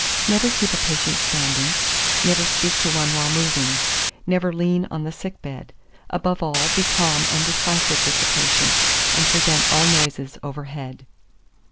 Never keep a patient standing; never speak to one while moving. Never lean on the sick bed. Above all, be calm and decisive with the patient, and prevent all noises over head.